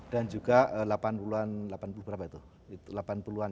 dan juga delapan puluh an